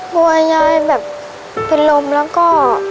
กลัวยายแบบเป็นลมแล้วก็